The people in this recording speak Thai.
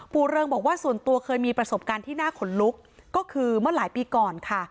เริงบอกว่าส่วนตัวเคยมีประสบการณ์ที่น่าขนลุกก็คือเมื่อหลายปีก่อนค่ะ